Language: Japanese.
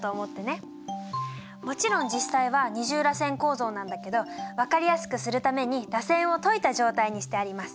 もちろん実際は二重らせん構造なんだけど分かりやすくするためにらせんを解いた状態にしてあります。